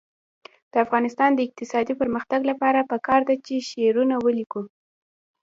د افغانستان د اقتصادي پرمختګ لپاره پکار ده چې شعرونه ولیکو.